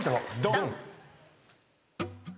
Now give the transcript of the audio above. ドン！